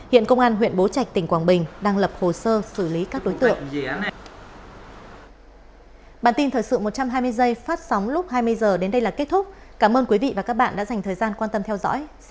hiện công an huyện bố trạch tỉnh quảng bình đang lập hồ sơ xử lý các đối tượng